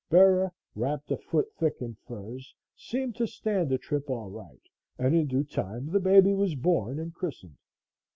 Bera, wrapped a foot thick in furs, seemed to stand the trip all right, and in due time the baby was born and christened.